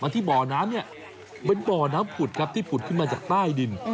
ที่บ่อน้ำเนี่ยเป็นบ่อน้ำผุดครับที่ผุดขึ้นมาจากใต้ดิน